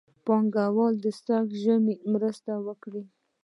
پانګهوالو سږ ژمی مرسته وکړه.